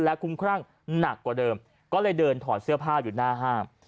คุ้มครั่งหนักกว่าเดิมก็เลยเดินถอดเสื้อผ้าอยู่หน้าห้าง